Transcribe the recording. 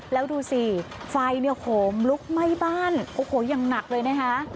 แล้วดูสิไฟเนี่ยโหมลุกไหม้บ้านโอ้โหอย่างหนักเลยนะคะ